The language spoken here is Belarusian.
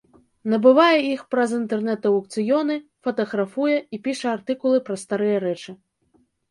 Набывае іх праз інтэрнэт-аўкцыёны, фатаграфуе і піша артыкулы пра старыя рэчы.